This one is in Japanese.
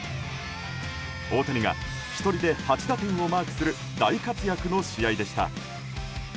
大谷が１人で８打点をマークする大活躍の試合でした。